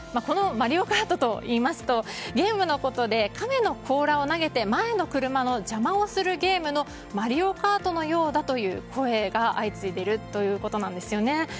「マリオカート」といいますとゲームのことでカメの甲羅を投げて前の車の邪魔をするゲームの「マリオカート」のようだという声が相次いでいるということなんですね。